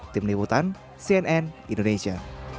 tim liputan cnn indonesia